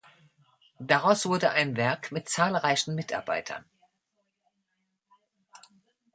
Daraus wurde ein Werk mit zahlreichen Mitarbeitern.